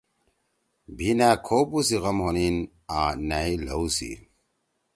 بھی نأ کھؤپُو سی غم ہونیِن آں نأئی لھؤ سی۔“